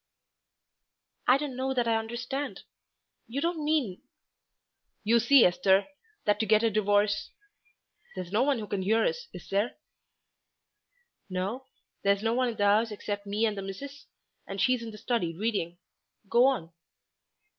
"I don't know that I understand. You don't mean " "You see, Esther, that to get a divorce there's no one who can hear us, is there?" "No, there's no one in the 'ouse except me and the missus, and she's in the study reading. Go on."